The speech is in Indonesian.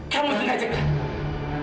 kamu sengaja kan